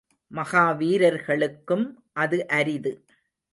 மகா வீரர்களுக்கும் அது அரிது.